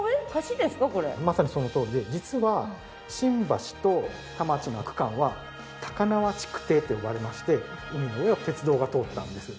まさにそのとおりで実は新橋と田町の区間は高輪築堤と呼ばれまして海の上を鉄道が通ったんです。